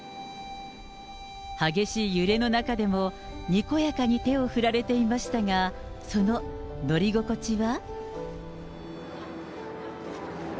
激しい揺れの中でも、にこやかに手を振られていましたが、その乗り心地は？